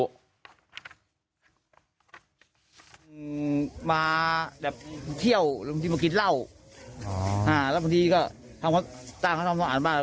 เขามาที่เที่ยวลุงประกิร์ตเล่าแล้วหาแล้วพิธีก็ดอกตามอาหารบ้าน